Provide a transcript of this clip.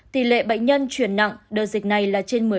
tỷ lệ bệnh nhân chuyển nặng đợt dịch này là trên một mươi